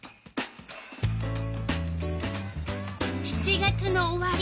７月の終わり。